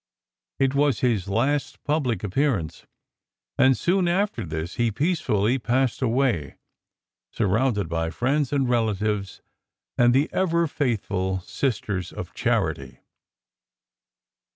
It was his last public appearance, and soon after this he peacefully passed away, surrounded by friends and relatives and the ever faithful Sisters of Charity.